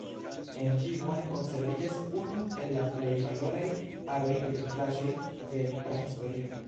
En ĝi bone konserviĝas unu el la plej valoraj aroj de pentraĵoj de Prahistorio.